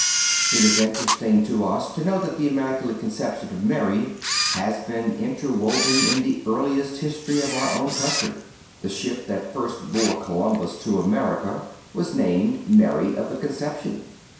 It is interesting to us to know that the Immaculate Conception of Mary has been interwoven in the earliest history of our own country. The ship that first bore Columbus to America was named Mary of the Conception.